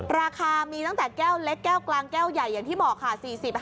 ราคามีตั้งแต่แก้วเล็กแก้วกลางแก้วใหญ่อย่างที่บอกค่ะ